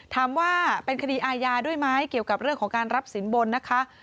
ถามว่าเป็นคดีอาญาด้วยไหมเกี่ยวกับเรื่องของการรับสินบนนะคะ